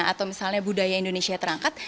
atau misalnya budaya indonesia terangkat